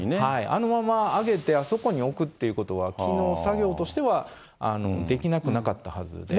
あのまま揚げてあそこに置くということは、きのう、作業としてはできなくなったはずで。